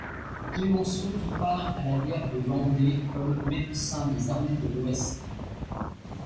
Clemenceau prit part à la guerre de Vendée comme médecin des armées de l'Ouest.